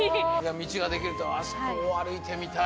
道ができるというあそこを歩いてみたい。